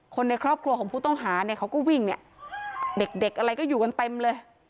คนในครอบครัวของผู้ต้องหาเนี่ยเขาก็วิ่งเนี่ยเด็กเด็กอะไรก็อยู่กันเต็มเลย